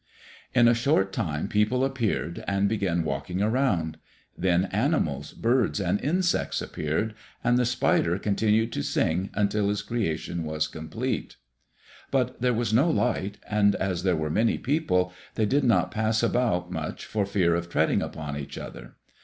In a short time people appeared and began walking around. Then animals, birds, and insects appeared, and the spider continued to sing until his creation was complete. But there was no light, and as there were many people, they did not pass about much for fear of treading upon each other.